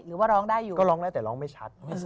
หรือว่าร้องได้อยู่ก็ร้องได้แต่ร้องไม่ชัด